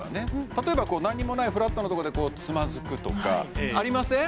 例えばこう何もないフラットなとこでつまずくとかありません？